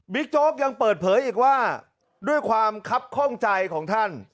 โจ๊กยังเปิดเผยอีกว่าด้วยความคับข้องใจของท่าน